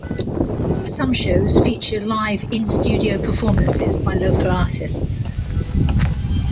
Some shows feature live in-studio performances by local artists.